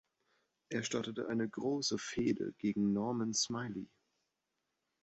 Er startete eine große Fehde gegen Norman Smiley.